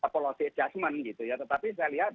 polosi adjustment itu ya tetapi saya lihat